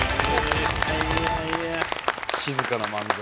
静かな漫才。